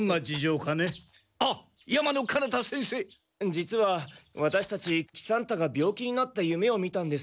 実はワタシたち喜三太が病気になった夢を見たんです。